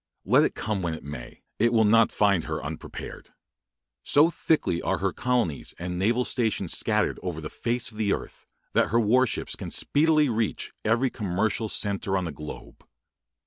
Let it come when it may, it will not find her unprepared. So thickly are her colonies and naval stations scattered over the face of the Earth, that her war ships can speedily reach every commercial centre on the globe.